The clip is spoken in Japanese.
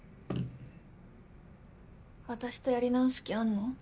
私とやり直す気あんの？